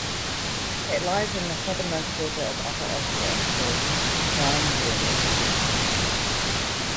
It lies in the southernmost quarter of Upper Austria called "Traunviertel".